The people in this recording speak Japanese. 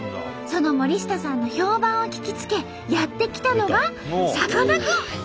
その森下さんの評判を聞きつけやって来たのがさかなクン！